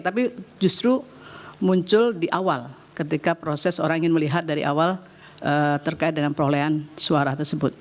tapi justru muncul di awal ketika proses orang ingin melihat dari awal terkait dengan perolehan suara tersebut